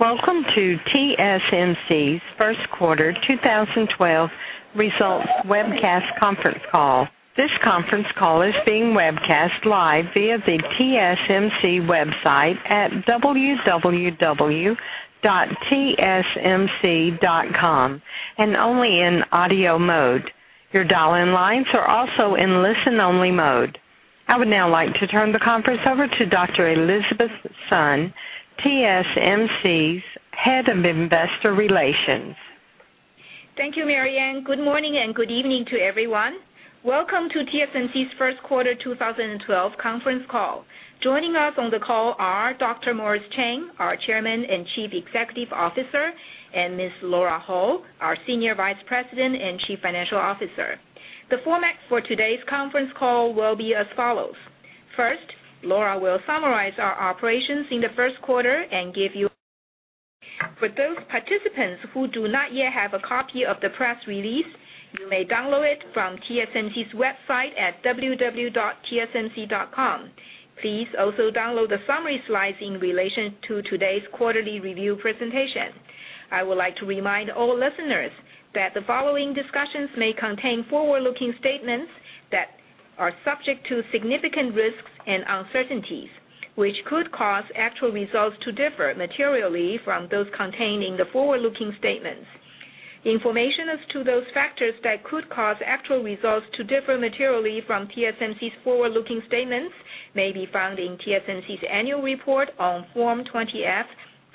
Welcome to TSMC's First Quarter 2012 Results Webcast Conference Call. This conference call is being webcast live via the TSMC website at www.tsmc.com and only in audio mode. Your dial in lines are also in listen-only mode. I would now like to turn the conference over to Dr. Elizabeth Sun, TSMC's Head of Investor Relations. Thank you, Marianne. Good morning and good evening to everyone. Welcome to TSMC's First Quarter 2012 Conference Call. Joining us on the call are Dr. Morris Chang, our Chairman and Chief Executive Officer, and Ms. Lora Ho, our Senior Vice President and Chief Financial Officer. The format for today's conference call will be as follows. First, Lora will summarize our operations in the first quarter and give you. For those participants who do not yet have a copy of the press release, you may download it from TSMC's website at www.tsmc.com. Please also download the summary slides in relation to today's quarterly review presentation. I would like to remind all listeners that the following discussions may contain forward-looking statements that are subject to significant risks and uncertainties, which could cause actual results to differ materially from those contained in the forward-looking statements. Information as to those factors that could cause actual results to differ materially from TSMC's forward-looking statements may be found in TSMC's annual report on Form 20-F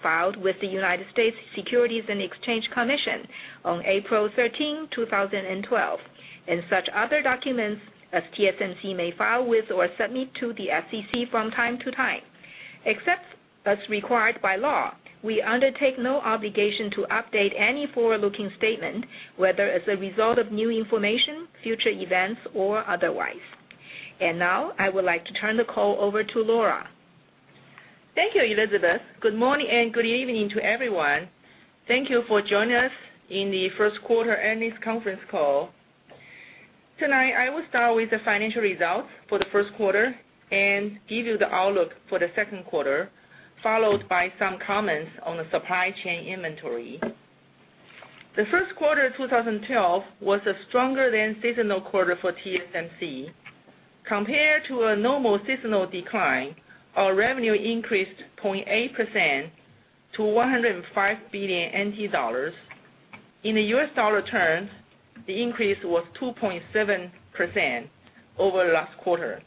filed with the United States Securities and Exchange Commission on April 13, 2012, and such other documents as TSMC may file with or submit to the SEC from time to time. Except as required by law, we undertake no obligation to update any forward-looking statement, whether as a result of new information, future events, or otherwise. I would like to turn the call over to Lora. Thank you, Elizabeth. Good morning and good evening to everyone. Thank you for joining us in the first quarter earnings conference call. Tonight, I will start with the financial results for the first quarter and give you the outlook for the second quarter, followed by some comments on the supply chain inventory. The first quarter 2012 was a stronger than seasonal quarter for TSMC. Compared to a normal seasonal decline, our revenue increased 0.8% to 105 billion NT dollars. In U.S. dollar terms, the increase was 2.7% over the last quarter,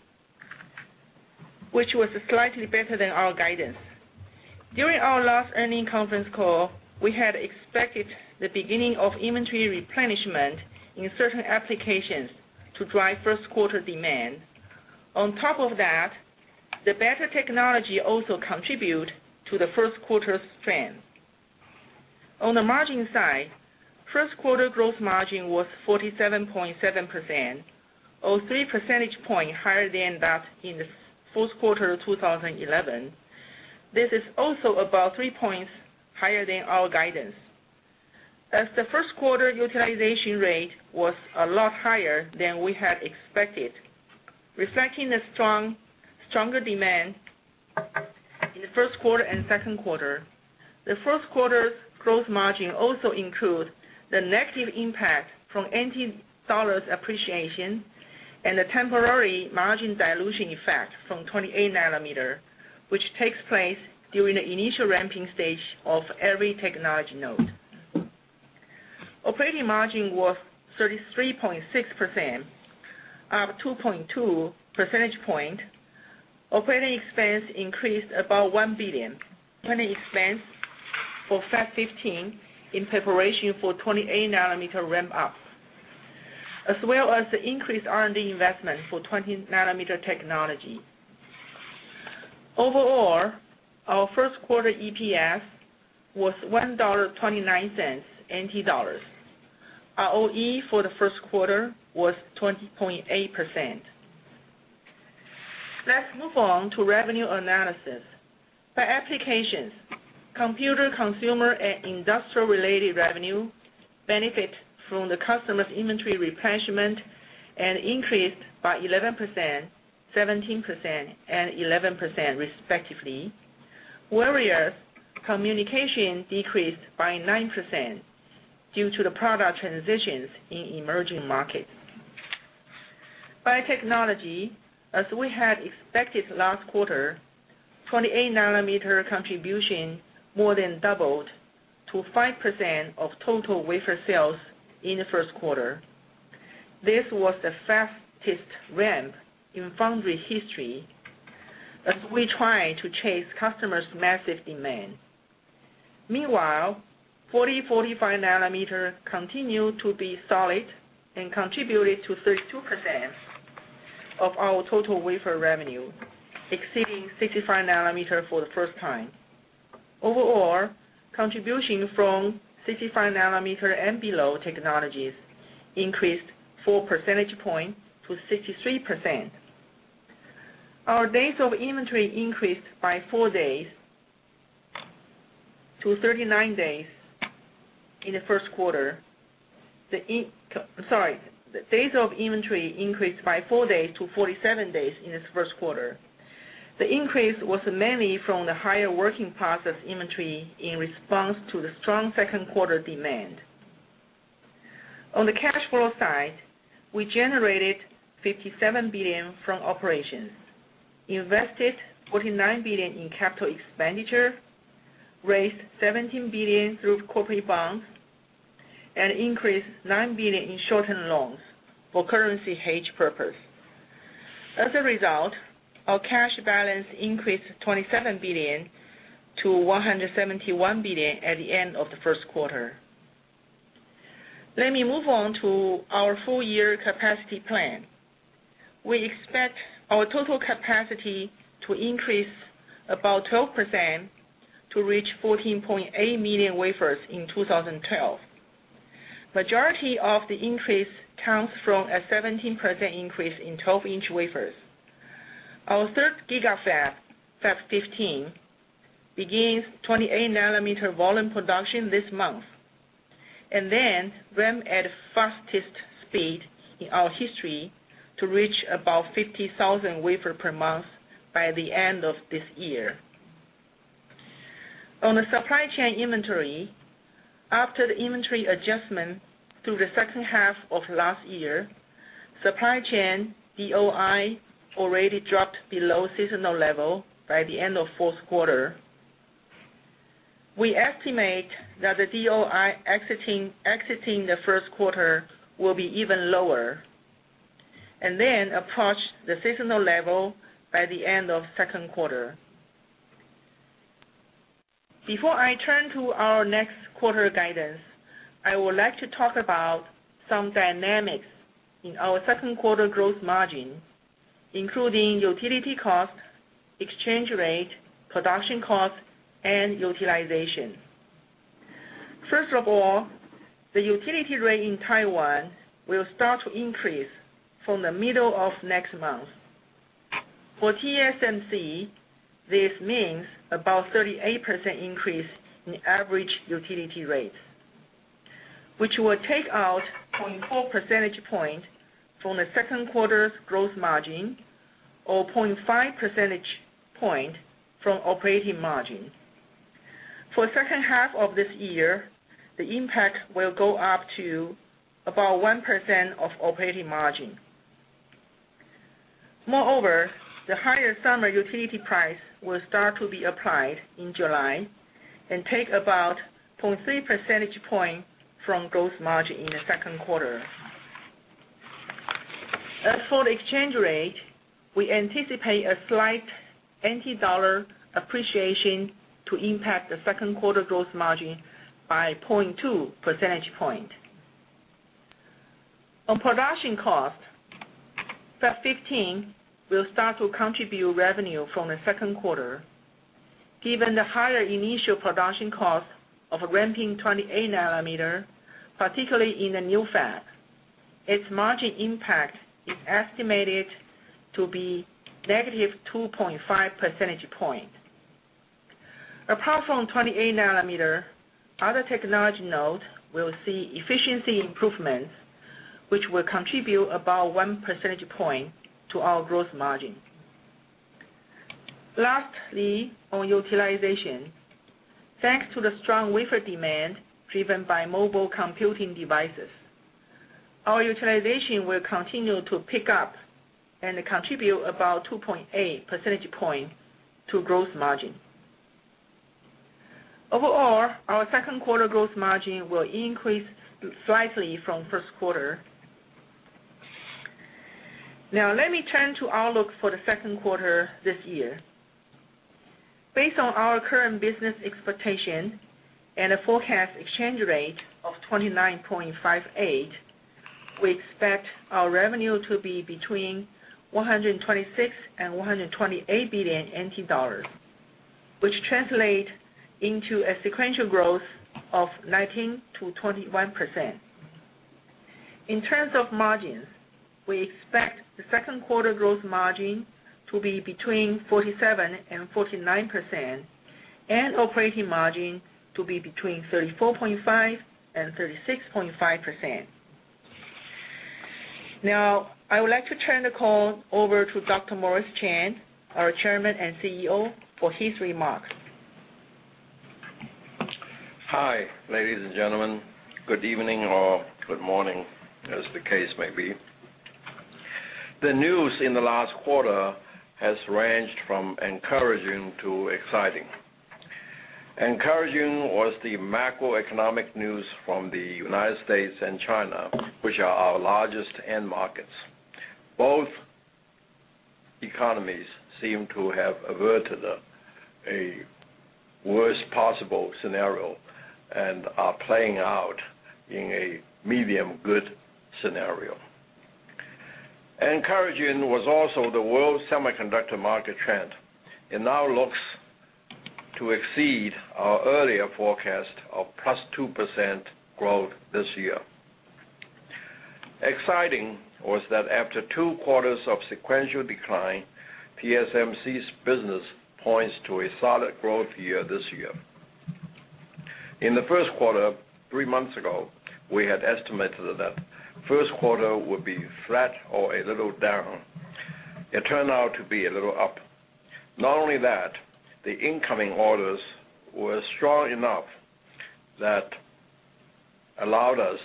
which was slightly better than our guidance. During our last earnings conference call, we had expected the beginning of inventory replenishment in certain applications to drive first-quarter demand. On top of that, the better technology also contributed to the first quarter's strength. On the margin side, first-quarter gross margin was 47.7%, or 3 percentage points higher than that in the fourth quarter of 2011. This is also about 3 points higher than our guidance, as the first-quarter utilization rate was a lot higher than we had expected. Reflecting the stronger demand in the first quarter and second quarter, the first quarter's gross margin also includes the negative impact from NT dollar appreciation and the temporary margin dilution effect from 28 nm, which takes place during the initial ramping stage of every technology node. Operating margin was 33.6%, up 2.2 percentage points. Operating expense increased about 1 billion, planning expense for Fab 15 in preparation for 28 nm ramp-up, as well as the increased R&D investment for 20 nm technology. Overall, our first quarter EPS was 1.29 NT dollars. ROE for the first quarter was 20.8%. Let's move on to revenue analysis. By applications, computer, consumer, and industrial-related revenue benefited from the customer's inventory replenishment and increased by 11%, 17%, and 11% respectively. Whereas, communication decreased by 9% due to the product transitions in emerging markets. By technology, as we had expected last quarter, 28 nm contribution more than doubled to 5% of total wafer sales in the first quarter. This was the fastest ramp in foundry history, as we tried to chase customers' massive demand. Meanwhile, 40 nm-45 nm continued to be solid and contributed to 32% of our total wafer revenue, exceeding 65 nm for the first time. Overall, contribution from 65 nm and below technologies increased 4 percentage points to 63%. Our days of inventory increased by 4 days to 39 days in the first quarter. The days of inventory increased by 4 days to 47 days in the first quarter. The increase was mainly from the higher working parts of inventory in response to the strong second-quarter demand. On the cash flow side, we generated 57 billion from operations, invested 49 billion in capital expenditure, raised 17 billion through corporate bonds, and increased 9 billion in short-term loans for currency hedge purpose. As a result, our cash balance increased 27 billion-171 billion at the end of the first quarter. Let me move on to our full-year capacity plan. We expect our total capacity to increase about 12% to reach 14.8 million wafers in 2012. The majority of the increase comes from a 17% increase in 12 in wafers. Our third GIGAFAB, Fab 15, begins 28 nm volume production this month and then ramps at the fastest speed in our history to reach about 50,000 wafers per month by the end of this year. On the supply chain inventory, after the inventory adjustment through the second half of last year, supply chain DOI already dropped below seasonal level by the end of the fourth quarter. We estimate that the DOI exiting the first quarter will be even lower and then approach the seasonal level by the end of the second quarter. Before I turn to our next quarter guidance, I would like to talk about some dynamics in our second-quarter gross margin, including utility cost, exchange rate, production cost, and utilization. First of all, the utility rate in Taiwan will start to increase from the middle of next month. For TSMC, this means about a 38% increase in average utility rates, which will take out 0.4 percentage point from the second quarter's gross margin or 0.5 percentage point from operating margin. For the second half of this year, the impact will go up to about 1% of operating margin. Moreover, the higher summer utility price will start to be applied in July and take about 0.3 percentage point from gross margin in the second quarter. As for the exchange rate, we anticipate a slight NT dollar appreciation to impact the second quarter gross margin by 0.2 percentage point. On production cost, Fab 15 will start to contribute revenue from the second quarter. Given the higher initial production cost of ramping 28 nm, particularly in the new fab, its margin impact is estimated to be -2.5 percentage point. Apart from 28 nm, other technology nodes will see efficiency improvements, which will contribute about 1 percentage point to our gross margin. Lastly, on utilization, thanks to the strong wafer demand driven by mobile computing devices, our utilization will continue to pick up and contribute about 2.8 percentage point to gross margin. Overall, our second-quarter gross margin will increase slightly from the first quarter. Now, let me turn to outlook for the second quarter this year. Based on our current business expectation and the forecast exchange rate of 29.58, we expect our revenue to be between 126 billion and 128 billion NT dollars, which translates into a sequential growth of 19%-21%. In terms of margins, we expect the second-quarter gross margin to be between 47% and 49%, and operating margin to be between 34.5% and 36.5%. Now, I would like to turn the call over to Dr. Morris Chang, our Chairman and CEO, for his remarks. Hi, ladies and gentlemen. Good evening or good morning, as the case may be. The news in the last quarter has ranged from encouraging to exciting. Encouraging was the macroeconomic news from the United States and China, which are our largest end markets. Both economies seem to have averted a worst possible scenario and are playing out in a medium-good scenario. Encouraging was also the world semiconductor market trend. It now looks to exceed our earlier forecast of +2% growth this year. Exciting was that after two quarters of sequential decline, TSMC's business points to a solid growth year this year. In the first quarter, three months ago, we had estimated that the first quarter would be flat or a little down. It turned out to be a little up. Not only that, the incoming orders were strong enough that allowed us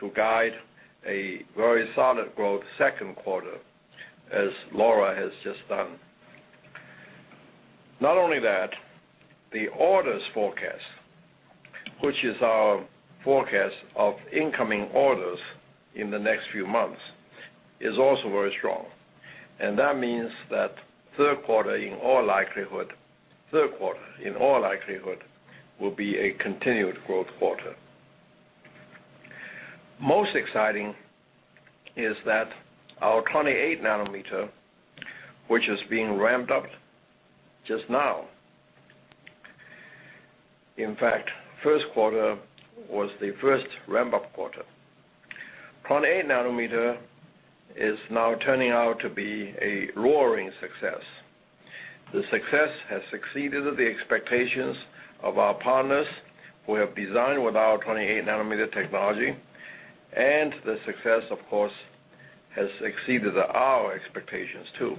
to guide a very solid growth second quarter, as Lora has just done. Not only that, the orders forecast, which is our forecast of incoming orders in the next few months, is also very strong. That means that third quarter, in all likelihood, will be a continued growth quarter. Most exciting is that our 28 nm, which is being ramped up just now. In fact, the first quarter was the first ramp-up quarter. 28 nm is now turning out to be a roaring success. The success has exceeded the expectations of our partners, who have designed with our 28 nm technology, and the success, of course, has exceeded our expectations too.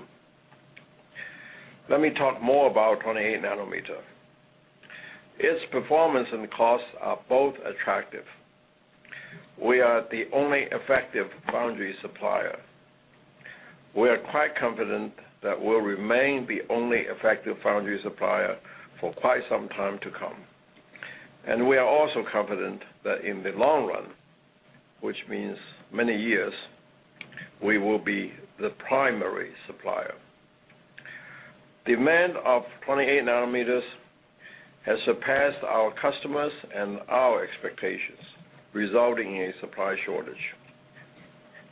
Let me talk more about 28 nm. Its performance and costs are both attractive. We are the only effective foundry supplier. We are quite confident that we'll remain the only effective foundry supplier for quite some time to come. We are also confident that in the long run, which means many years, we will be the primary supplier. Demand of 28 nms has surpassed our customers' and our expectations, resulting in a supply shortage.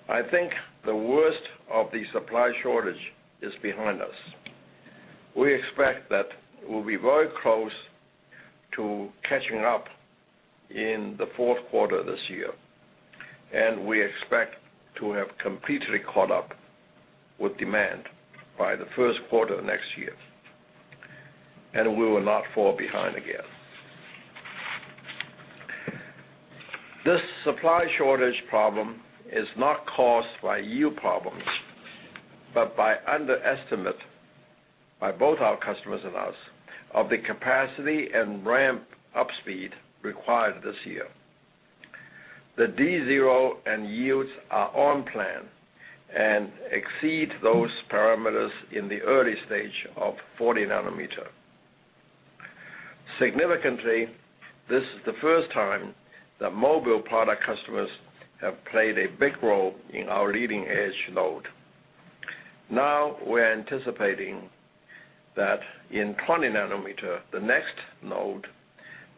I think the worst of the supply shortage is behind us. We expect that we'll be very close to catching up in the fourth quarter of this year. We expect to have completely caught up with demand by the first quarter of next year. We will not fall behind again. This supply shortage problem is not caused by yield problems, but by underestimate by both our customers and us of the capacity and ramp-up speed required this year. The D0 and yields are on plan and exceed those parameters in the early stage of 40 nm. Significantly, this is the first time that mobile product customers have played a big role in our leading edge node. Now, we're anticipating that in 20 nm, the next node,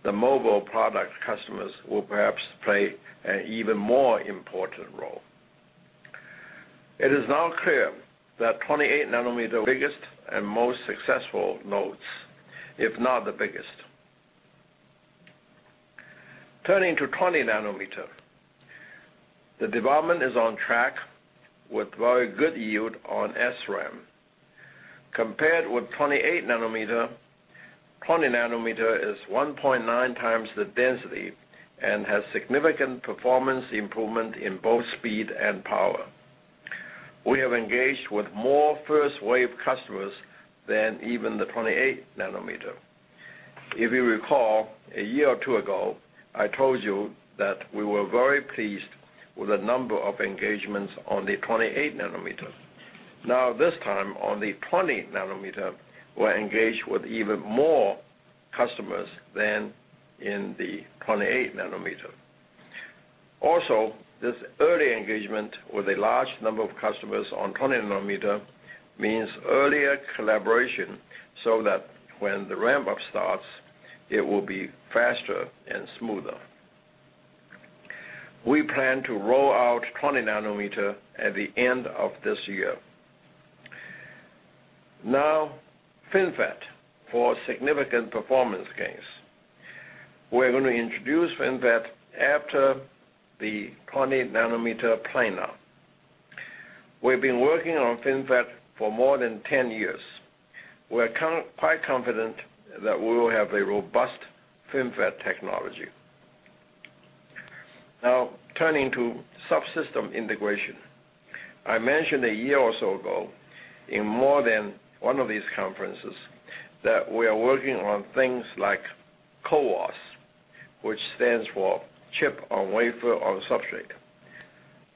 the mobile product customers will perhaps play an even more important role. It is now clear that 28 nm, the biggest and most successful nodes, if not the biggest, turning to 20 nm. The development is on track with very good yield on SRAM. Compared with 28 nm, 20 nm is 1.9x the density and has significant performance improvement in both speed and power. We have engaged with more first-wave customers than even the 28 nm. If you recall, a year or two ago, I told you that we were very pleased with the number of engagements on the 28 nm. Now, this time, on the 20 nm, we're engaged with even more customers than in the 28 nm. Also, this early engagement with a large number of customers on 20 nm means earlier collaboration so that when the ramp-up starts, it will be faster and smoother. We plan to roll out 20 nm at the end of this year. Now, FinFET for significant performance gains. We're going to introduce FinFET after the 20 nm planar. We've been working on FinFET for more than 10 years. We're quite confident that we will have a robust FinFET technology. Now, turning to subsystem integration. I mentioned a year or so ago in more than one of these conferences that we are working on things like CoWoS, which stands for Chip on Wafer on Substrate;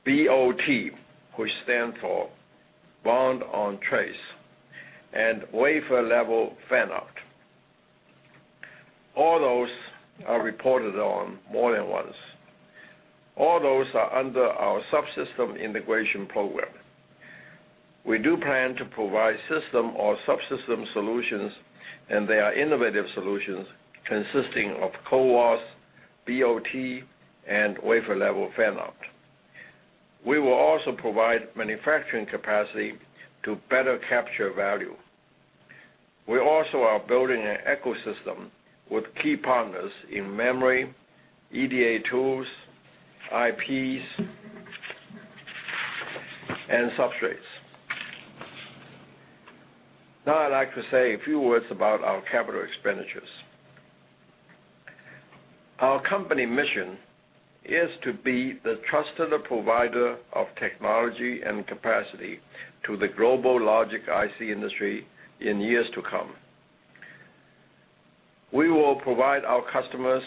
BOT, which stands for Bond on Trace; and Wafer Level Fan Out. All those are reported on more than once. All those are under our subsystem integration program. We do plan to provide system or subsystem solutions, and they are innovative solutions consisting of CoWoS, BOT, and Wafer Level Fan Out. We will also provide manufacturing capacity to better capture value. We also are building an ecosystem with key partners in memory, EDA tools, IP, and substrates. Now, I'd like to say a few words about our capital expenditures. Our company mission is to be the trusted provider of technology and capacity to the global logic IC industry in years to come. We will provide our customers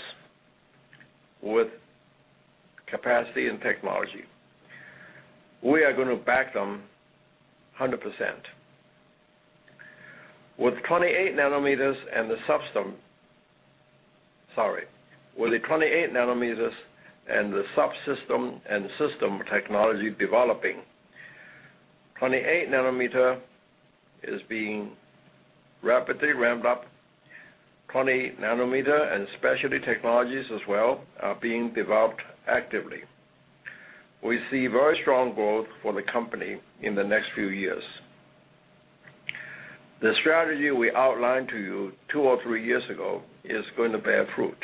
with capacity and technology. We are going to back them 100%. With 28 nm and the subsystem, sorry, with the 28 nm and the subsystem and system technology developing, 28 nm is being rapidly ramped up. 20 nm and specialty technologies as well are being developed actively. We see very strong growth for the company in the next few years. The strategy we outlined to you two or three years ago is going to bear fruit.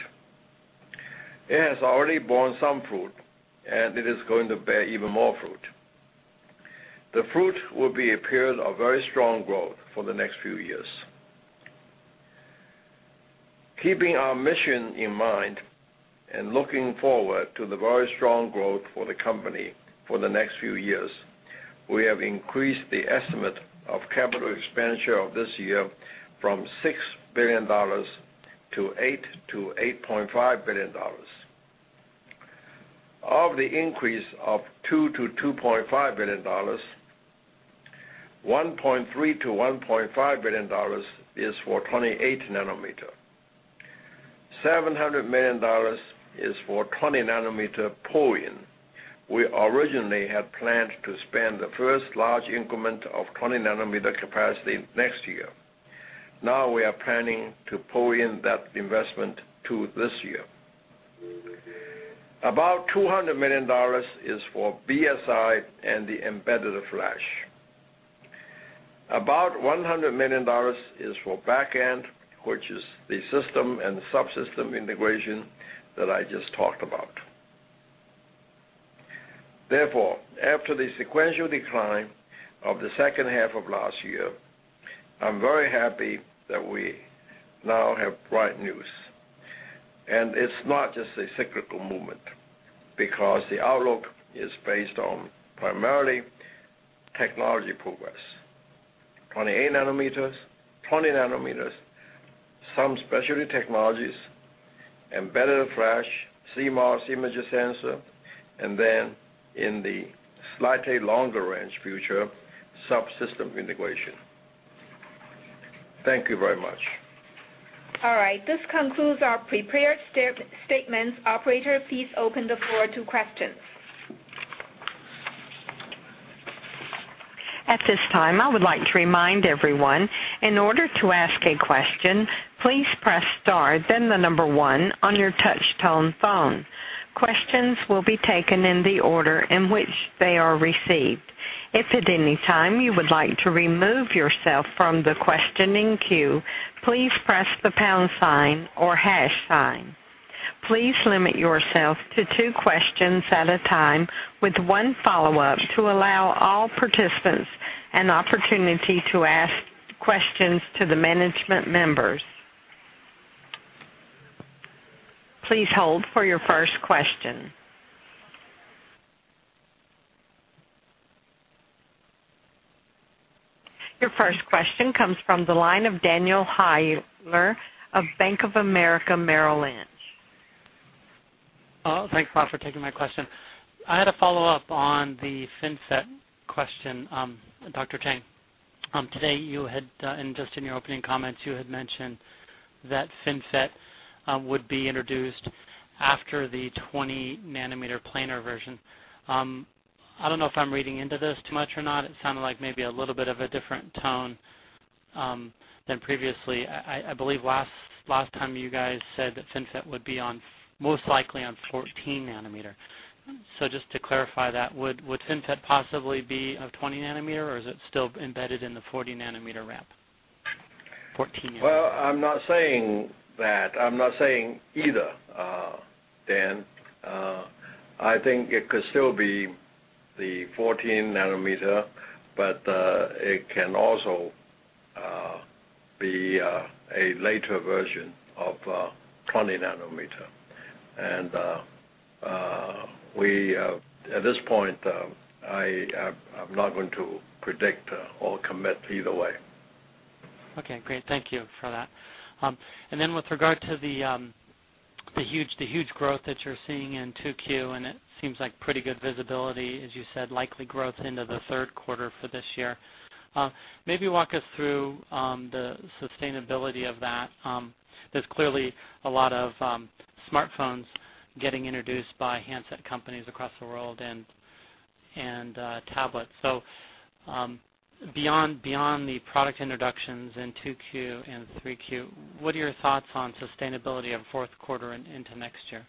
It has already borne some fruit, and it is going to bear even more fruit. The fruit will be a period of very strong growth for the next few years. Keeping our mission in mind and looking forward to the very strong growth for the company for the next few years, we have increased the estimate of capital expenditure of this year from 6 billion dollars to 8-8.5 billion dollars. Of the increase of 2 billion-2.5 billion dollars, 1.3 billion-1.5 billion dollars is for 28 nm. 700 million dollars is for 20 nm pull in. We originally had planned to spend the first large increment of 20 nm capacity next year. Now, we are planning to pull in that investment to this year. About 200 million dollars is for BSI and the embedded flash. About 100 million dollars is for backend, which is the system and subsystem integration that I just talked about. Therefore, after the sequential decline of the second half of last year, I'm very happy that we now have bright news. It's not just a cyclical movement because the outlook is based on primarily technology progress. 28 nm, 20 nm, some specialty technologies, embedded flash, CMOS image sensor, and then in the slightly longer-range future, subsystem integration. Thank you very much. All right. This concludes our prepared statements. Operator, please open the floor to questions. At this time, I would like to remind everyone, in order to ask a question, please press star, then the number one on your touch-tone phone. Questions will be taken in the order in which they are received. If at any time you would like to remove yourself from the questioning queue, please press the pound sign or hash sign. Please limit yourself to two questions at a time, with one follow-up to allow all participants an opportunity to ask questions to the management members. Please hold for your first question. Your first question comes from the line of Daniel Heyler of Bank of America Merrill Lynch. Thank you, Bob, for taking my question. I had a follow-up on the FinFET question, Dr. Chang. Today, in your opening comments, you mentioned that FinFET would be introduced after the 20 nm planar version. I don't know if I'm reading into this too much or not. It sounded like maybe a little bit of a different tone than previously. I believe last time you said that FinFET would be most likely on 14 nm. Just to clarify that, would FinFET possibly be on 20 nm, or is it still embedded in the 40 nm ramp? I'm not saying that. I'm not saying either, Dan. I think it could still be the 14 nm, but it can also be a later version of 20 nm. At this point, I'm not going to predict or commit either way. Great. Thank you for that. With regard to the huge growth that you're seeing in 2Q, it seems like pretty good visibility, as you said, likely growth into the third quarter for this year. Maybe walk us through the sustainability of that. There's clearly a lot of smartphones getting introduced by handset companies across the world and tablets. Beyond the product introductions in 2Q and 3Q, what are your thoughts on sustainability of the fourth quarter into next year?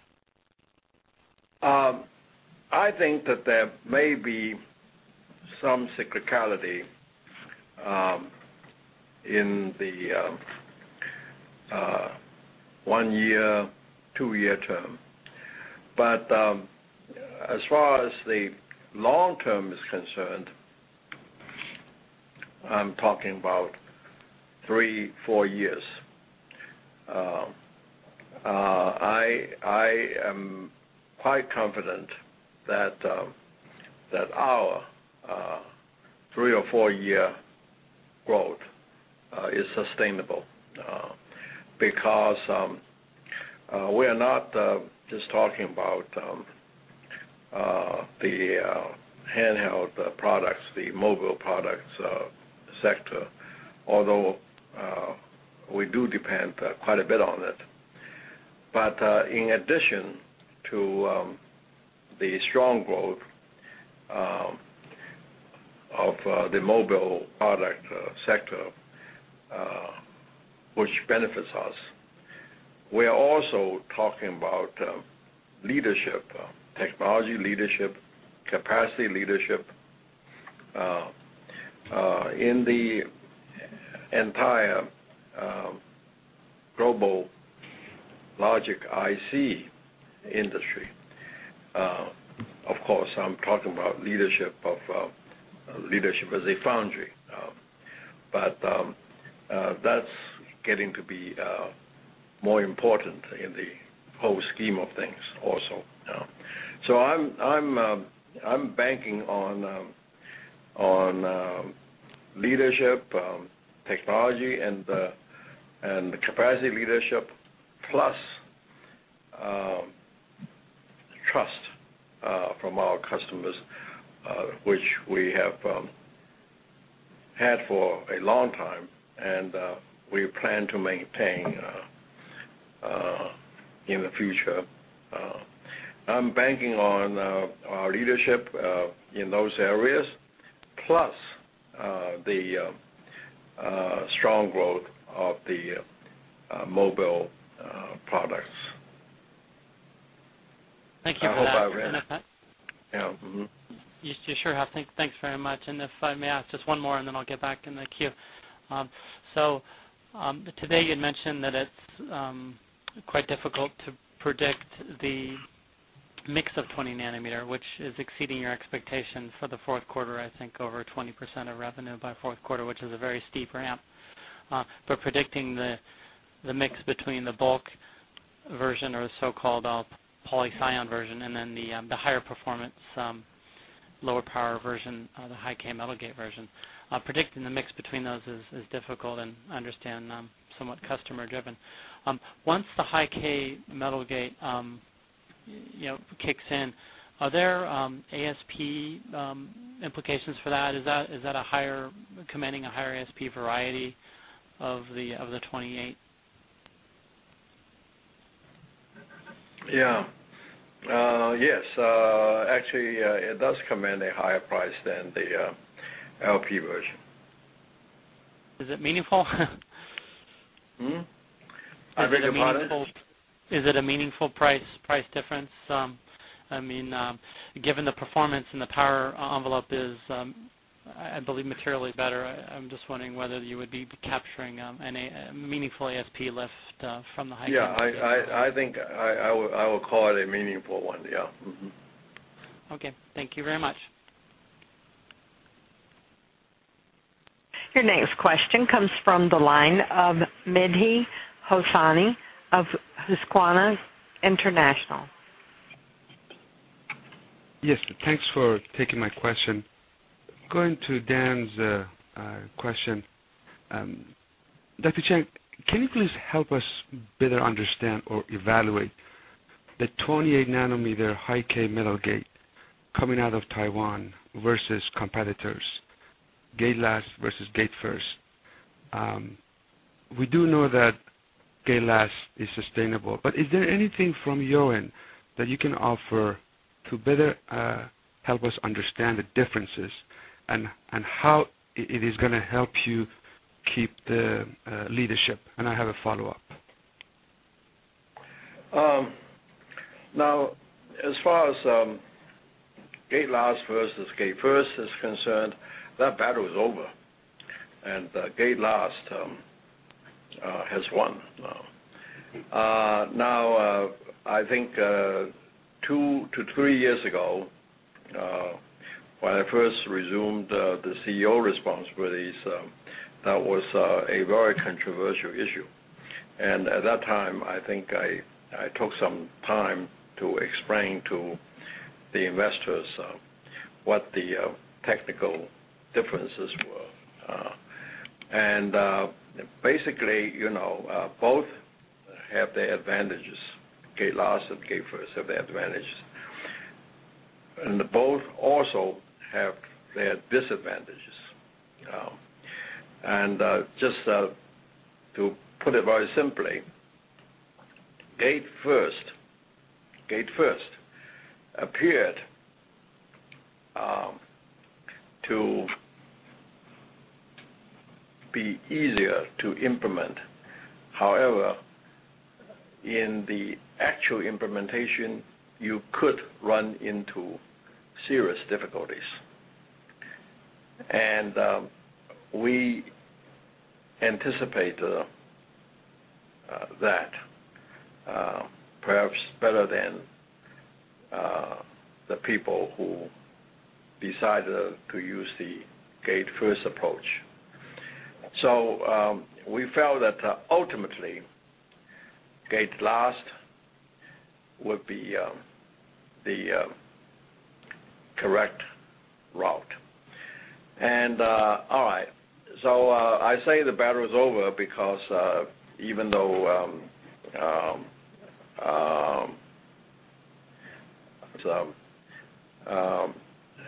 I think that there may be some cyclicality in the one-year, two-year term. As far as the long term is concerned, I'm talking about three, four years. I am quite confident that our three or four-year growth is sustainable because we are not just talking about the handheld products, the mobile products sector, although we do depend quite a bit on it. In addition to the strong growth of the mobile product sector, which benefits us, we are also talking about leadership, technology leadership, capacity leadership in the entire global logic IC industry. Of course, I'm talking about leadership of leadership as a foundry. That's getting to be more important in the whole scheme of things also. I'm banking on leadership, technology, and capacity leadership, plus trust from our customers, which we have had for a long time, and we plan to maintain in the future. I'm banking on our leadership in those areas, plus the strong growth of the mobile products. Thank you for that. Yeah. You sure have. Thanks very much. If I may ask just one more, then I'll get back in the queue. Today, you had mentioned that it's quite difficult to predict the mix of 20 nm, which is exceeding your expectations for the fourth quarter. I think over 20% of revenue by fourth quarter, which is a very steep ramp. Predicting the mix between the bulk version or the so-called Poly/SiON version and the higher performance, lower power version, the high-k metal gate version, predicting the mix between those is difficult and I understand somewhat customer-driven. Once the high-k metal gate kicks in, are there ASP implications for that? Is that a higher commanding ASP variety of the 28 nm? Yes. Actually, it does command a higher price than the LP version. Is it meaningful? I beg your pardon? Is it a meaningful price difference? I mean, given the performance and the power envelope is, I believe, materially better, I'm just wondering whether you would be capturing any meaningful ASP lift from the high-k. I think I would call it a meaningful one. Yeah. Okay, thank you very much. Your next question comes from the line of Mehdi Hosseini of Susquehanna Financial Group. Yes. Thanks for taking my question. Going to Dan's question, Dr. Chang, can you please help us better understand or evaluate the 28 nm high-k metal gate coming out of Taiwan versus competitors, gate-last versus gate-first? We do know that gate-last is sustainable, but is there anything from your end that you can offer to better help us understand the differences and how it is going to help you keep the leadership? I have a follow-up. Now, as far as gate-last versus gate-first is concerned, that battle is over, and gate-last has won. I think two to three years ago, when I first resumed the CEO responsibilities, that was a very controversial issue. At that time, I think I took some time to explain to the investors what the technical differences were. Basically, both have their advantages. gate-last and gate-first have their advantages, and both also have their disadvantages. Just to put it very simply, gate-first appeared to be easier to implement. However, in the actual implementation, you could run into serious difficulties. We anticipated that perhaps better than the people who decided to use the gate-first approach. We felt that ultimately, gate-last would be the correct route. I say the battle is over because even though I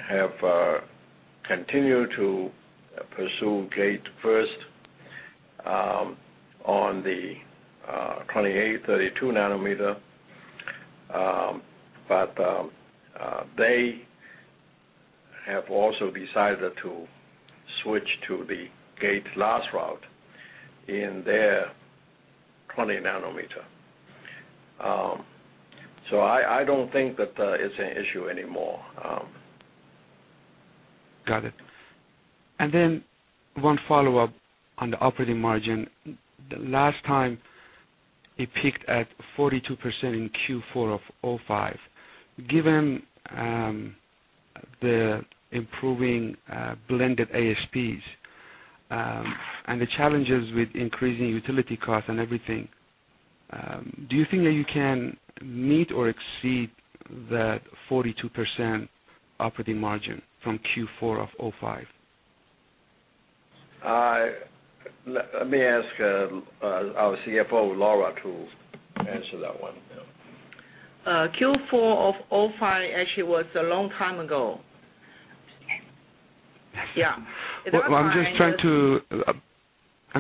have continued to pursue gate-first on the 28 nm, 32 nm, they have also decided to switch to the gate-last route in their 20 nm. I don't think that it's an issue anymore. Got it. One follow-up on the operating margin. The last time, it peaked at 42% in Q4 of 2005. Given the improving blended ASPs and the challenges with increasing utility costs and everything, do you think that you can meet or exceed that 42% operating margin from Q4 of 2005? Let me ask our CFO, Lora Ho, to answer that one. Q4 of 2005 actually was a long time ago. Yeah. I'm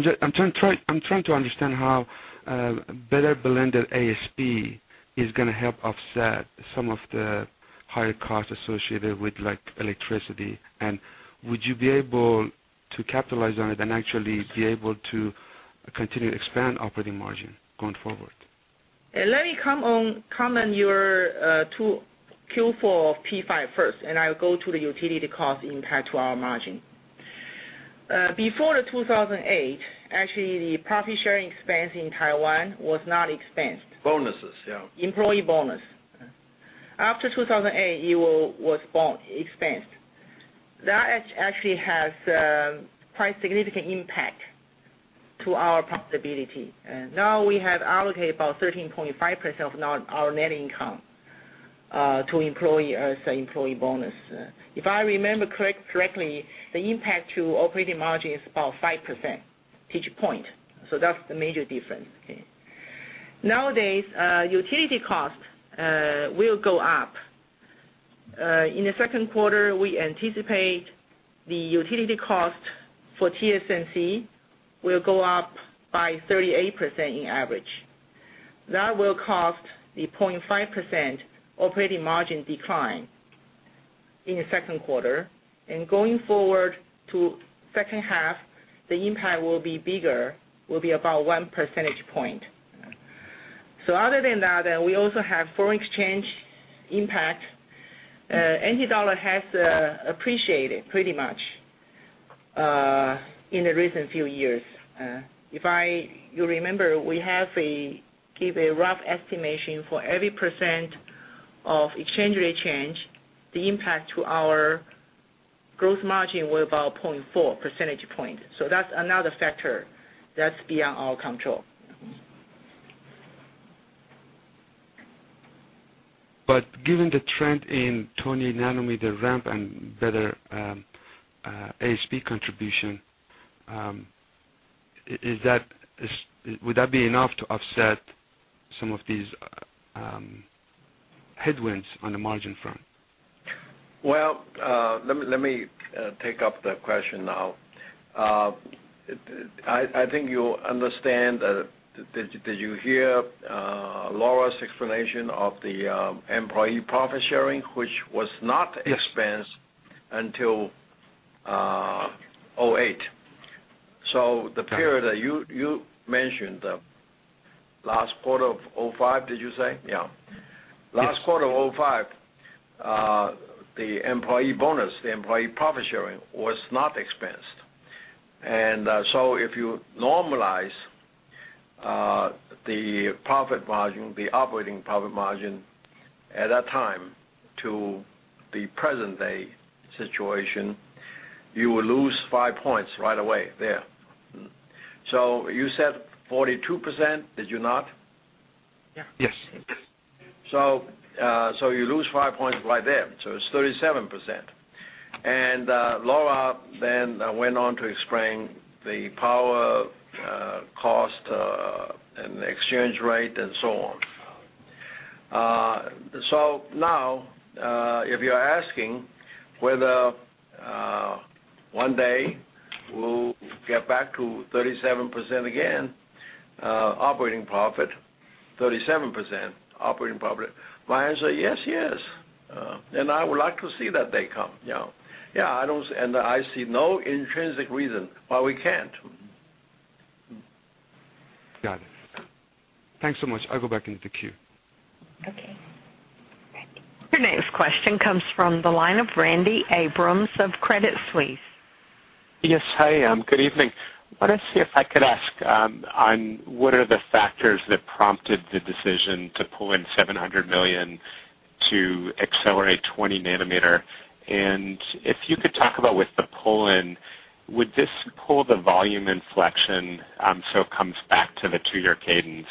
just trying to understand how better blended ASP is going to help offset some of the higher costs associated with electricity. Would you be able to capitalize on it and actually be able to continue to expand operating margin going forward? Let me comment your Q4 of 2005 first, and I'll go to the utility cost impact to our margin. Before 2008, actually, the profit-sharing expense in Taiwan was not expensed. Bonuses, yeah. Employee bonus. After 2008, it was expensed. That actually has quite a significant impact to our profitability. Now we have allocated about 13.5% of our net income to employee as an employee bonus. If I remember correctly, the impact to operating margin is about 5% each point. That's the major difference. Nowadays, utility cost will go up. In the second quarter, we anticipate the utility cost for TSMC will go up by 38% in average. That will cost the 0.5% operating margin decline in the second quarter. Going forward to the second half, the impact will be bigger, will be about 1 percentage point. Other than that, we also have foreign exchange impact. NT dollar has appreciated pretty much in the recent few years. If you remember, we have a rough estimation for every percent of exchange rate change, the impact to our gross margin was about 0.4 percentage point. That's another factor that's beyond our control. Given the trend in 20 nm ramp and better ASP contribution, would that be enough to offset some of these headwinds on the margin front? Let me take up the question now. I think you understand that, did you hear Lora's explanation of the employee profit-sharing, which was not expensed until 2008? The period that you mentioned, the last quarter of 2005, did you say? Yeah, last quarter of 2005, the employee bonus, the employee profit-sharing was not expensed. If you normalize the profit margin, the operating profit margin at that time to the present-day situation, you will lose 5 points right away there. You said 42%, did you not? Yeah. Yes. You lose 5 points right there. It's 37%. Lora then went on to explain the power cost and exchange rate and so on. If you're asking whether one day we'll get back to 37% again, operating profit, 37% operating profit, my answer is yes, yes. I would like to see that day come. I don't see, and I see no intrinsic reason why we can't. Got it. Thanks so much. I'll go back into the queue. Okay. Your next question comes from the line of Randy Abrams of Credit Suisse. Yes. Hi, good evening. I want to see if I could ask on what are the factors that prompted the decision to pull in 700 million to accelerate 20 nm. If you could talk about with the pull in, would this pull the volume inflection so it comes back to the two-year cadence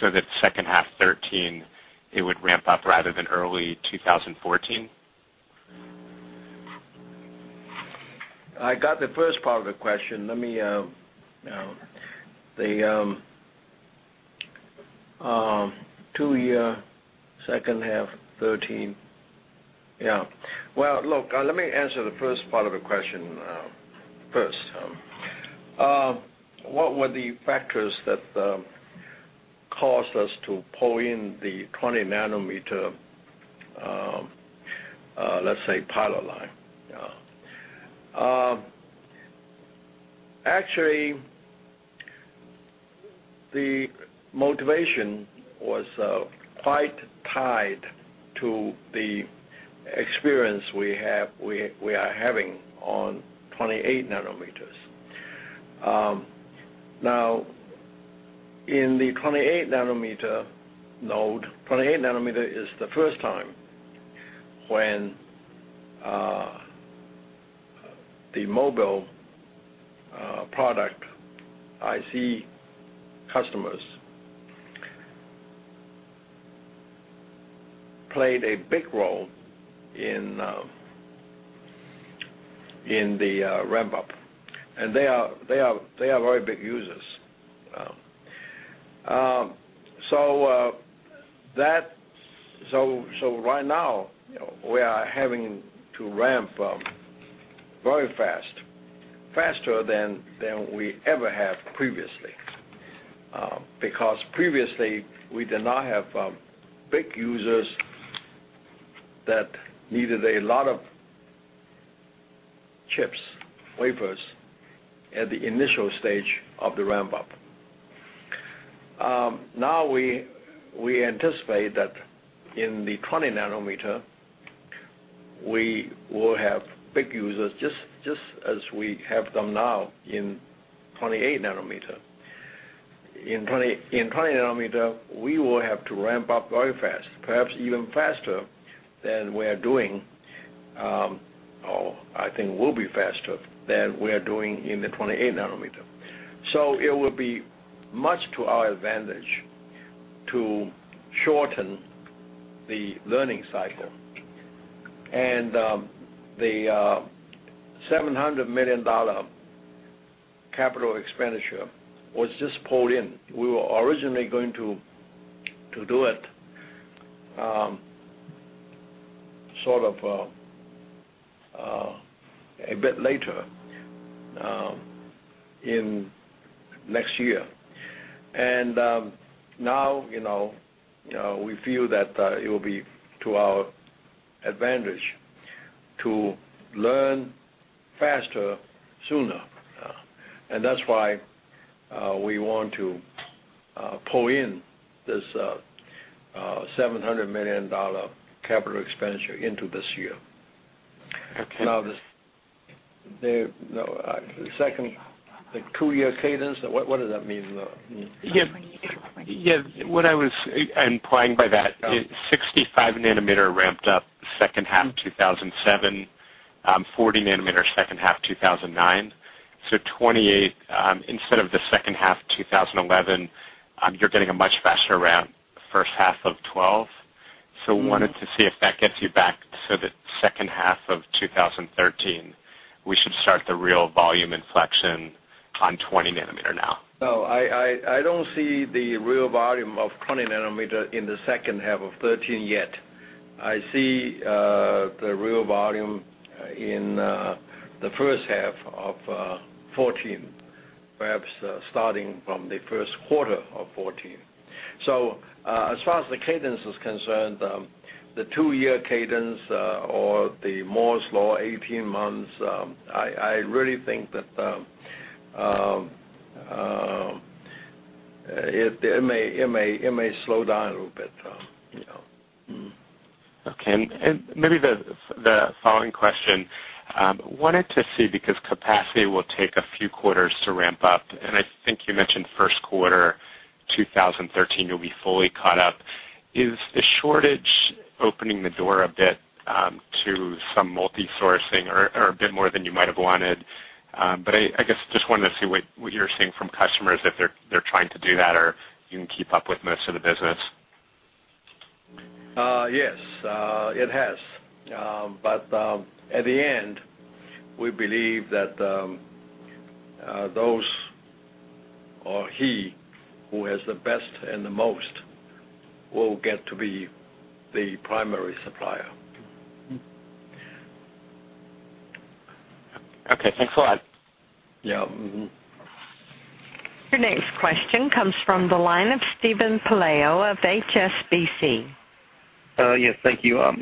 so that second half 2013, it would ramp up rather than early 2014? I got the first part of the question. Let me now, the two-year second half 2013. Yeah. Let me answer the first part of the question first. What were the factors that caused us to pull in the 20 nm, let's say, pilot line? Actually, the motivation was quite tied to the experience we have, we are having on 28 nms. Now, in the 28 nm node, 28 nm is the first time when the mobile product IC customers played a big role in the ramp-up. They are very big users. Right now, we are having to ramp very fast, faster than we ever have previously. Previously, we did not have big users that needed a lot of chips, wafers at the initial stage of the ramp-up. We anticipate that in the 20 nm, we will have big users just as we have them now in 28 nm. In 20 nm, we will have to ramp up very fast, perhaps even faster than we are doing, or I think will be faster than we are doing in the 28 nm. It will be much to our advantage to shorten the learning cycle. The 700 million dollar capital expenditure was just pulled in. We were originally going to do it a bit later in next year. Now, we feel that it will be to our advantage to learn faster, sooner. That's why we want to pull in this 700 million dollar capital expenditure into this year. Now, the second, the two-year cadence, what does that mean? Yeah. What I was implying by that is 65 nm ramped up second half 2007, 40 nm second half 2009. 28 nm, instead of the second half 2011, you're getting a much faster ramp first half of 2012. I wanted to see if that gets you back so that second half of 2013, we should start the real volume inflection on 20 nm now. Oh, I don't see the real volume of 20 nm in the second half of 2013 yet. I see the real volume in the first half of 2014, perhaps starting from the first quarter of 2014. As far as the cadence is concerned, the two-year cadence or the more slow 18 months, I really think that it may slow down a little bit. Okay. Maybe the following question, I wanted to see because capacity will take a few quarters to ramp up. I think you mentioned first quarter of 2013, you'll be fully caught up. Is the shortage opening the door a bit to some multi-sourcing or a bit more than you might have wanted? I guess I just wanted to see what you're seeing from customers, if they're trying to do that or you can keep up with most of the business. Yes, it has. At the end, we believe that those or he who has the best and the most will get to be the primary supplier. Okay, thanks a lot. Yeah. Your next question comes from the line of Steven Paleo of HSBC. Yes. Thank you. A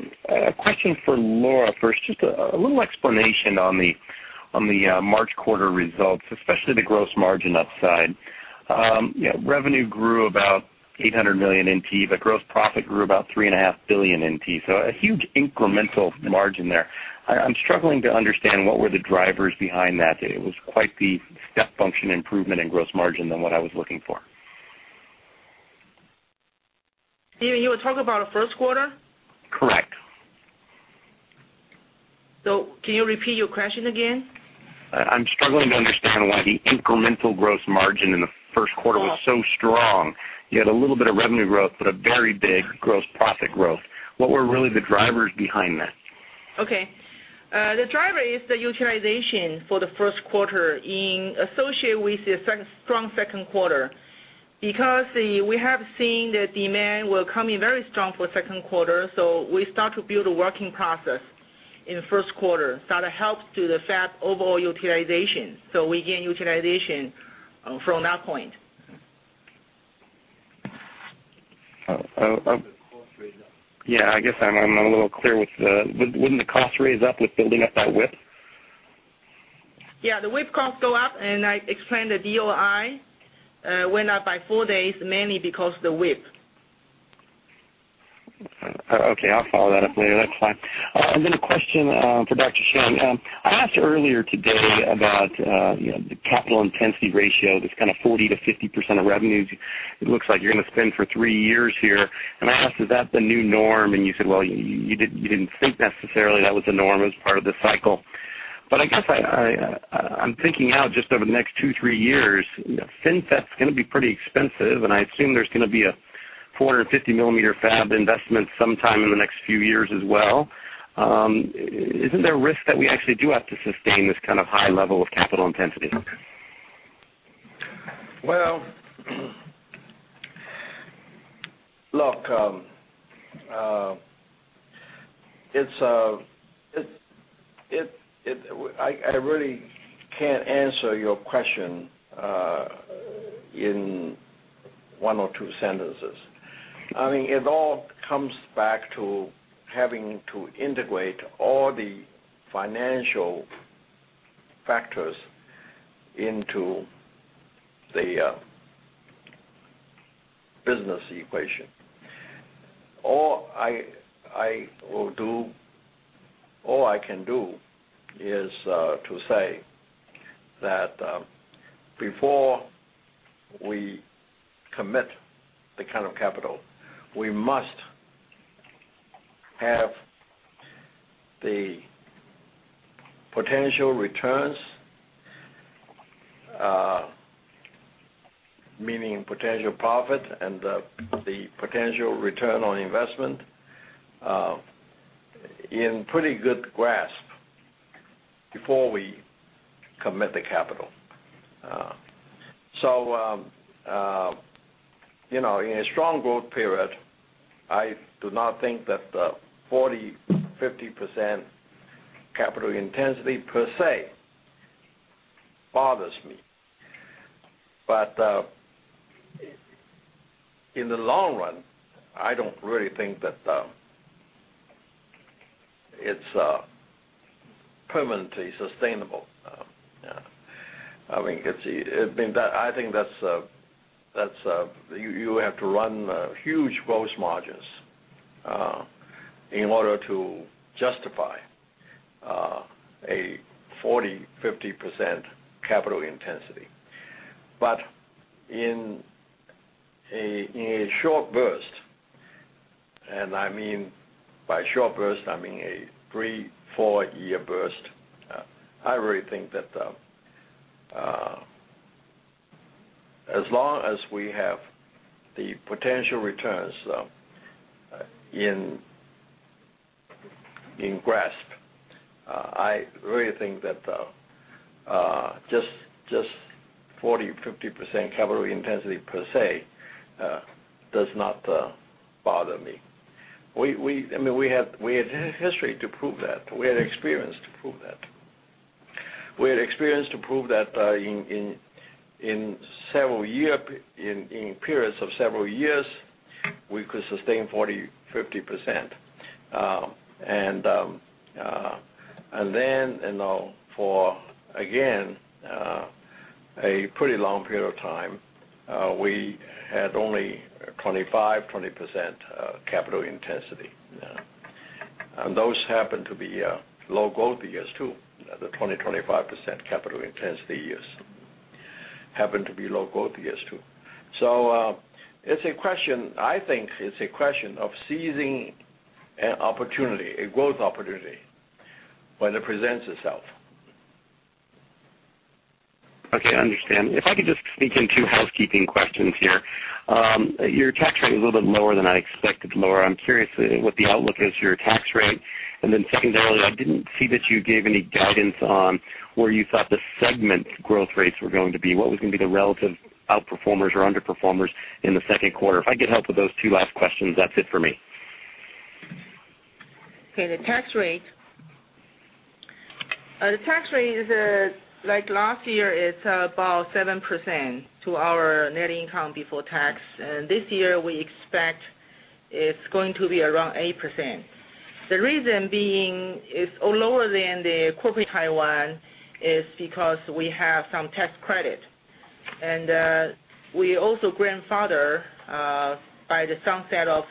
question for Lora first. Just a little explanation on the March quarter results, especially the gross margin upside. Revenue grew about 800 million NT, but gross profit grew about 3.5 billion NT. A huge incremental margin there. I'm struggling to understand what were the drivers behind that. It was quite the step function improvement in gross margin than what I was looking for. Steven, you were talking about the first quarter? Correct. Can you repeat your question again? I'm struggling to understand why the incremental gross margin in the first quarter was so strong. You had a little bit of revenue growth, but a very big gross profit growth. What were really the drivers behind that? Okay. The driver is the utilization for the first quarter associated with the strong second quarter. Because we have seen that demand will come in very strong for the second quarter, we start to build a working process in the first quarter that helps to the Fab overall utilization. We gain utilization from that point. Yeah, I guess I'm not a little clear with the, wouldn't the cost raise up with building up that WIP? Yeah. The WIP costs go up, and I explained the DOI went up by 4 days mainly because of the WIP. Okay. I'll follow that up later. That's fine. A question for Dr. Chang. I asked earlier today about the capital intensity ratio, this kind of 40%-50% of revenues. It looks like you're going to spend for three years here. I asked if that's the new norm, and you said you didn't think necessarily that was the norm as part of the cycle. I guess I'm thinking out just over the next two, three years, FinFET is going to be pretty expensive, and I assume there's going to be a 450 mm Fab investment sometime in the next few years as well. Isn't there a risk that we actually do have to sustain this kind of high level of capital intensity? I really can't answer your question in one or two sentences. It all comes back to having to integrate all the financial factors into the business equation. All I can do is to say that before we commit the kind of capital, we must have the potential returns, meaning potential profit and the potential return on investment, in pretty good grasp before we commit the capital. In a strong growth period, I do not think that the 40%, 50% capital intensity per se bothers me. In the long run, I don't really think that it's permanently sustainable. I think that you have to run huge gross margins in order to justify a 40%, 50% capital intensity. In a short burst, and by short burst, I mean a three, four-year burst, I really think that as long as we have the potential returns in grasp, I really think that just 40%, 50% capital intensity per se does not bother me. We had history to prove that. We had experience to prove that. We had experience to prove that in several years, in periods of several years, we could sustain 40%, 50%. For again, a pretty long period of time, we had only 25%, 20% capital intensity. Those happened to be low growth years too. The 20%, 25% capital intensity years happened to be low growth years too. It's a question, I think it's a question of seizing an opportunity, a growth opportunity when it presents itself. Okay. I understand. If I could just sneak in two housekeeping questions here. Your tax rate is a little bit lower than I expected, Lora. I'm curious what the outlook is for your tax rate. Secondarily, I didn't see that you gave any guidance on where you thought the segment growth rates were going to be. What was going to be the relative outperformers or underperformers in the second quarter? I get help with those two last questions. That's it for me. Okay. The tax rate, the tax rate is like last year, it's about 7% to our net income before tax. This year, we expect it's going to be around 8%. The reason being it's lower than the corporate Taiwan is because we have some tax credit. We also grandfather by the sunset of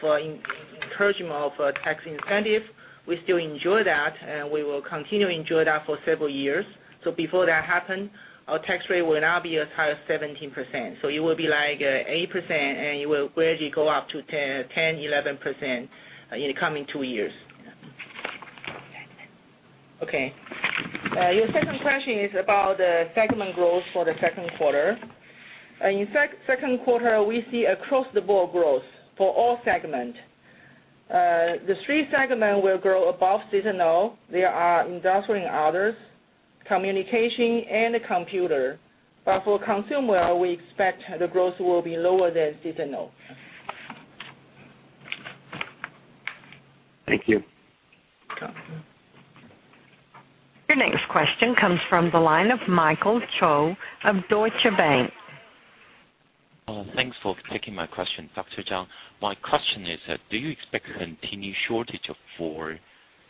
encouragement of tax incentive, we still enjoy that, and we will continue to enjoy that for several years. Before that happened, our tax rate will not be as high as 17%. It will be like 8%, and it will gradually go up to 10%, 11% in the coming two years. Your second question is about the segment growth for the second quarter. In the second quarter, we see across-the-board growth for all segments. The three segments will grow above seasonal. There are industrial and others, communication and computer. For consumer, we expect the growth will be lower than seasonal. Thank you. Your next question comes from the line of Michael Chou of Deutsche Bank. Thanks for taking my question, Dr. Chang. My question is, do you expect a continued shortage of 20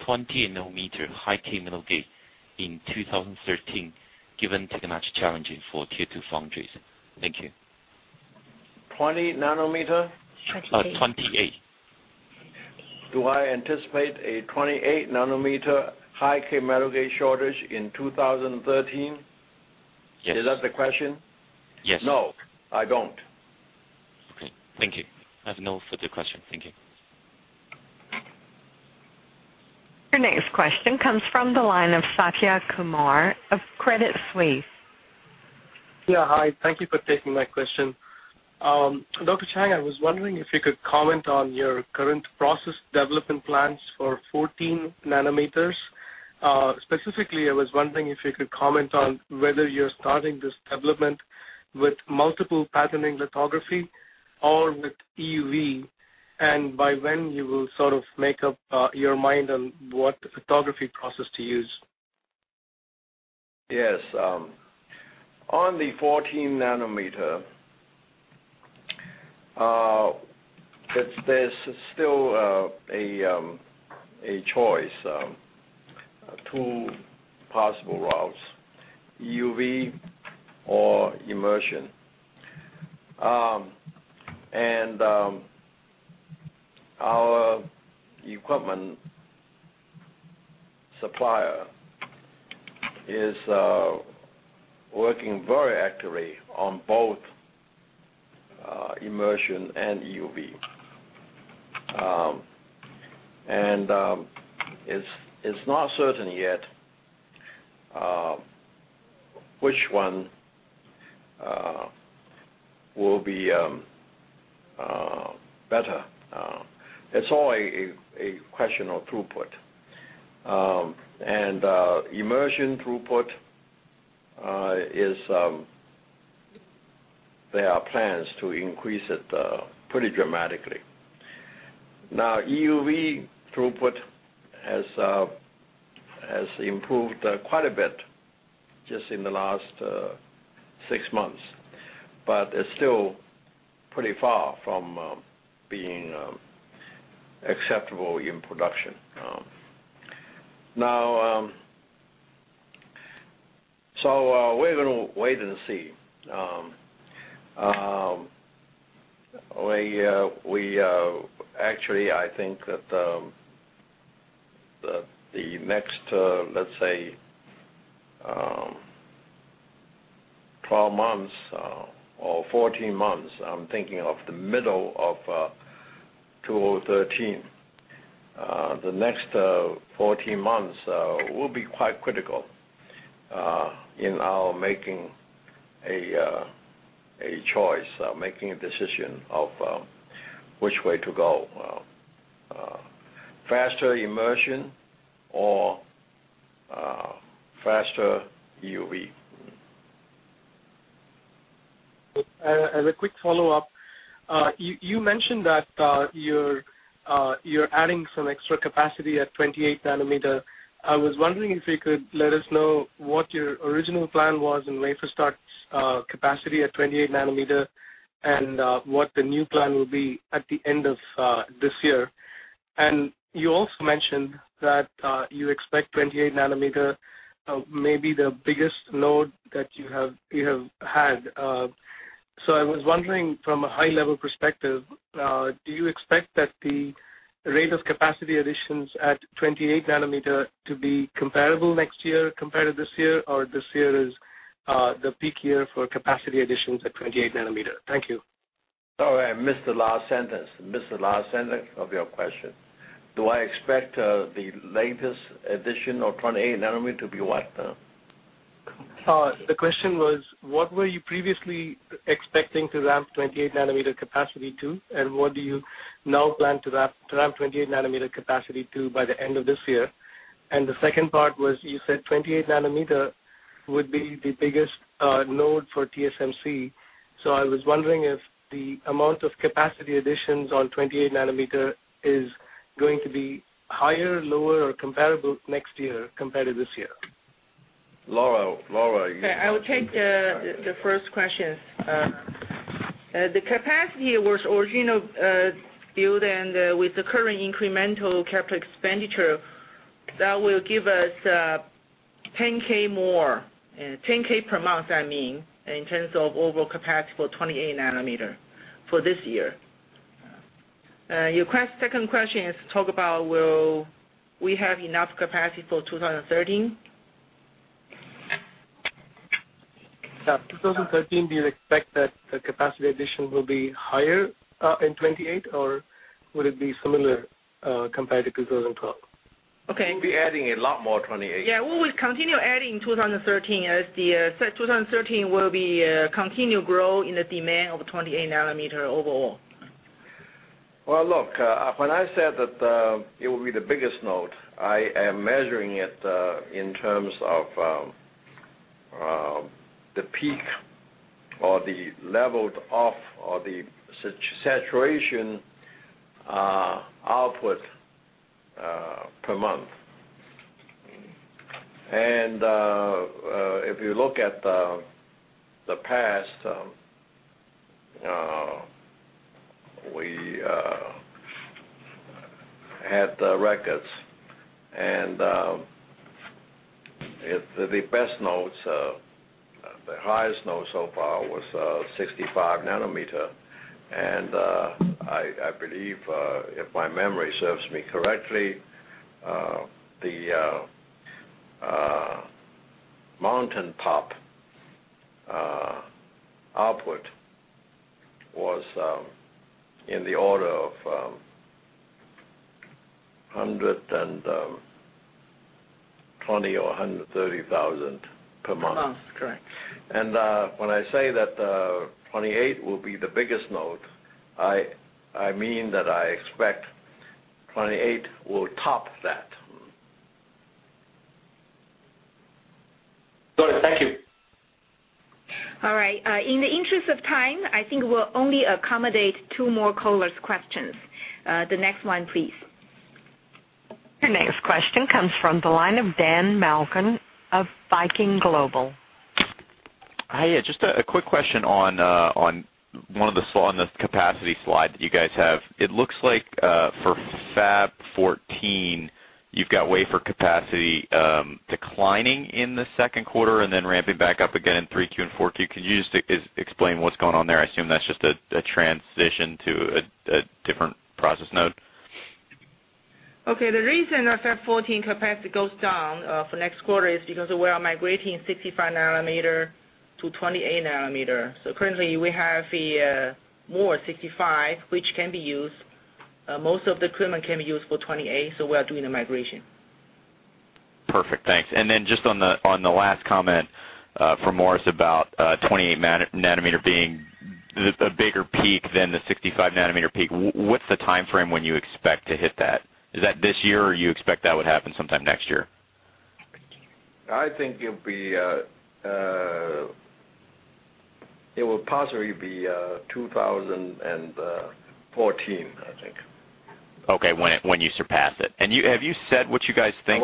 nm high-k metal gate in 2013, given the financial challenges for K2 foundries? Thank you. 20 nm? 28 nm. Do I anticipate a 28 nm high-k metal gate shortage in 2013? Yes. Is that the question? Yes. No, I don't. Okay. Thank you. I have no further questions. Thank you. Your next question comes from the line of Satya Kumar of Credit Suisse. Yeah. Hi. Thank you for taking my question. Dr. Chang, I was wondering if you could comment on your current process development plans for 14 nm. Specifically, I was wondering if you could comment on whether you're starting this development with multiple patterning lithography or with EUV, and by when you will sort of make up your mind on what lithography process to use. Yes. On the 14 nm, there's still a choice, two possible routes: EUV or immersion. Our equipment supplier is working very actively on both immersion and EUV. It's not certain yet which one will be better. It's all a question of throughput. Immersion throughput, there are plans to increase it pretty dramatically. EUV throughput has improved quite a bit just in the last six months, but it's still pretty far from being acceptable in production. We're going to wait and see. I think that the next, let's say, 12 months or 14 months, I'm thinking of the middle of 2013. The next 14 months will be quite critical in our making a choice, making a decision of which way to go, faster immersion or faster EUV. As a quick follow-up, you mentioned that you're adding some extra capacity at 28 nm. I was wondering if you could let us know what your original plan was in wafer start capacity at 28 nm and what the new plan will be at the end of this year. You also mentioned that you expect 28 nm may be the biggest load that you have had. I was wondering, from a high-level perspective, do you expect that the rate of capacity additions at 28 nm to be comparable next year compared to this year, or this year is the peak year for capacity additions at 28 nm? Thank you. Sorry, I missed the last sentence of your question. Do I expect the latest addition of 28 nm to be what? The question was, what were you previously expecting to ramp 28 nm capacity to, and what do you now plan to ramp 28 nm capacity to by the end of this year? The second part was, you said 28 nm would be the biggest node for TSMC. I was wondering if the amount of capacity additions on 28 nm is going to be higher, lower, or comparable next year compared to this year. Lora, Lora. I will take the first question. The capacity was originally built with the current incremental capital expenditure. That will give us 10,000 more, 10,000 per month, I mean, in terms of overall capacity for 28 nm for this year. Your second question is to talk about, will we have enough capacity for 2013? Yeah. 2013, do you expect that the capacity addition will be higher in 28 nm, or would it be similar compared to 2012? Okay. We'll be adding a lot more 28 nm. We will continue adding in 2013 as 2013 will be a continued growth in the demand of 28 nm overall. When I said that it will be the biggest node, I am measuring it in terms of the peak or the leveled off or the saturation output per month. If you look at the past, we had the records, and it's the best nodes. The highest node so far was 65 nm. I believe, if my memory serves me correctly, the mountaintop output was in the order of 120,000 or 130,000 per month. Month, correct. I say that 28 nm will be the biggest node. I mean that I expect 28 nm will top that. Got it. Thank you. All right. In the interest of time, I think we'll only accommodate two more callers' questions. The next one, please. The next question comes from the line of Dan Malkoun of Viking Global. Hi. Just a quick question on one of the slides on this capacity slide that you guys have. It looks like for Fab 14, you've got wafer capacity declining in the second quarter and then ramping back up again in 3Q and 4Q. Could you just explain what's going on there? I assume that's just a transition to a different process node. Okay. The reason Fab 14 capacity goes down for next quarter is because we are migrating 65 nm-28 nm. Currently, we have more 65 nm, which can be used. Most of the equipment can be used for 28 nm. We are doing a migration. Perfect. Thanks. On the last comment from Morris about 28 nm being a bigger peak than the 65 nm peak, what's the timeframe when you expect to hit that? Is that this year, or do you expect that would happen sometime next year? I think it will possibly be 2014, I think. Okay. When you surpass it, have you said what you guys think?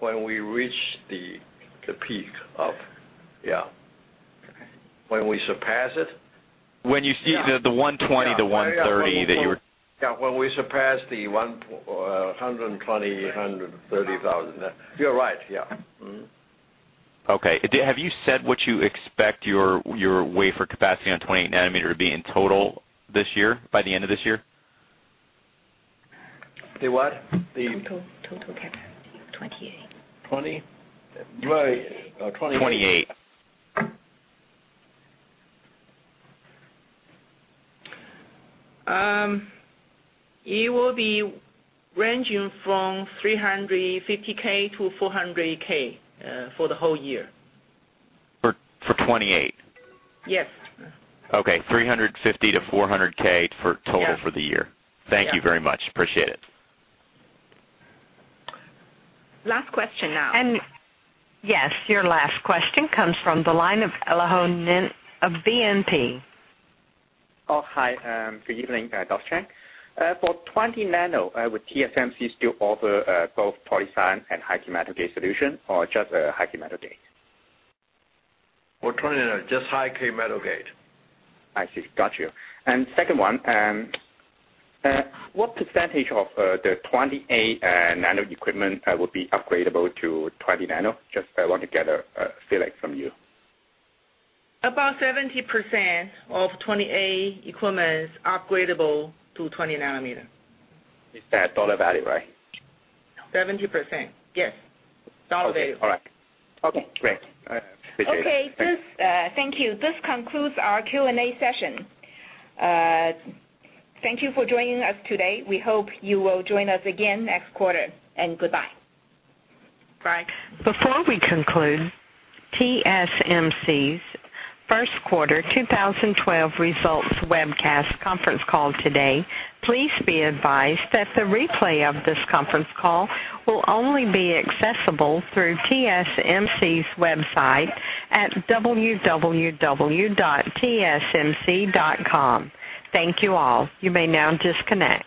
When we reach the peak, when we surpass it. When you see the 120,000 the 130,000 that you were. Yeah, when we surpass the 120,000, 130,000. You're right, yeah. Okay. Have you said what you expect your wafer capacity on 28 nm to be in total this year, by the end of this year? The what? Total capacity of 28 nm. 20 nm? 28 nm. It will be ranging from 350,000 to 400,000 for the whole year. For 28 nm? Yes. Okay, 350,000 to 400,000 total for the year. Yes. Thank you very much. Appreciate it. Last question now. Yes, your last question comes from the line of BNP. Oh, hi. Good evening, Dr. Chang. For 20 nm, would TSMC still offer both Poly/SiON and high-k metal gate solution, or just high-k metal gate? For 20 nm, just high-k metal gate. I see. Got you. What percentage of the 28 nm equipment will be upgradable to 20 nm? Just want to get a feedback from you. About 70% of 28 nm equipment is upgradable to 20 nm. You said dollar value, right? 70%. Yes, dollar value. Okay. All right. Okay. Great. Appreciate it. Okay. Thank you. This concludes our Q&A session. Thank you for joining us today. We hope you will join us again next quarter. Goodbye. Bye. Before we conclude TSMC's First Quarter 2012 Results Webcast Conference Call today, please be advised that the replay of this conference call will only be accessible through TSMC's website at www.tsmc.com. Thank you all. You may now disconnect.